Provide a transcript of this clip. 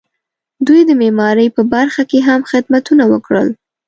دوی د معمارۍ په برخه کې هم خدمتونه وکړل.